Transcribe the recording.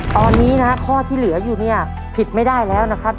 ตอนนี้นะฮะข้อที่เหลืออยู่เนี่ยผิดไม่ได้แล้วนะครับ